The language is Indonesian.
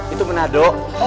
itu benar do